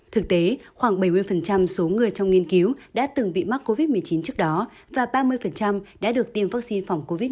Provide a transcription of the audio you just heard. thực tế khoảng bảy mươi số người trong nghiên cứu đã từng bị mắc covid một mươi chín trước đó và ba mươi đã được tiêm vaccine phòng covid một mươi chín